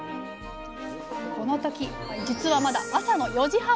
この時じつはまだ朝の４時半。